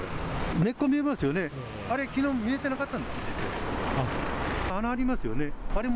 根っこ、見えますよね、あれ、きのう、見えてなかったんです、実は。